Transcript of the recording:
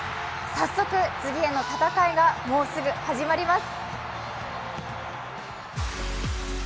早速、次への戦いがもうすぐ始まります。